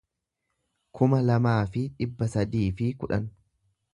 kuma lamaa fi dhibba sadii fi kudhan